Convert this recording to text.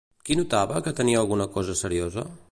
Qui notava que tenia alguna cosa seriosa?